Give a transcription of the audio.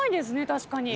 確かに。